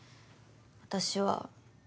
私は。